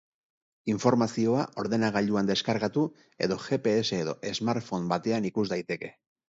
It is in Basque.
Informazioa ordenagailuan deskargatu edo gps edo smartphone batean ikus daiteke.